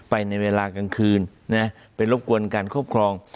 ในเวลากลางคืนนะไปรบกวนการครอบครอง